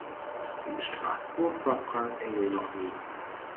In Straßburg war Frank Engel noch nie.